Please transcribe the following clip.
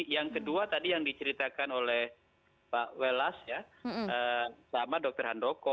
yang kedua tadi yang diceritakan oleh pak welas ya sama dokter handoko